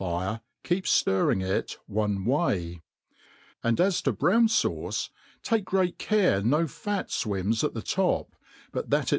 fire, keep ftirring it one way* And aa to brown fauce, take great care no fat fwims at the top) but that ic.